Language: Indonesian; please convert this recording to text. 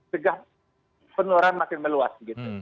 segah penularan makin meluas